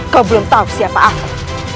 kau belum tahu siapa aku